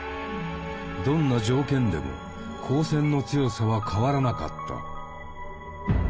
どんな条件でも光線の強さは変わらなかった。